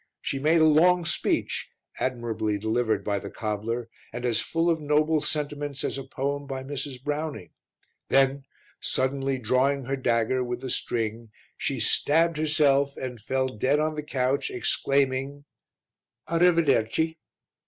She made a long speech, admirably delivered by the cobbler and as full of noble sentiments as a poem by Mrs. Browning, then, suddenly drawing her dagger with the string, she stabbed herself and fell dead on the couch, exclaiming "A rivederci."